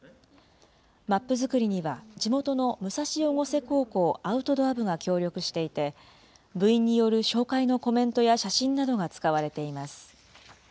マップ作りには地元の武蔵越生高校アウトドア部が協力していて、部員による紹介のコメントや写真などが使われています。